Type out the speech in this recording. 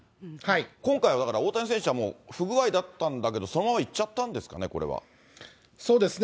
今回はだから大谷選手は不具合だったんだけど、そのままいっちゃそうですね。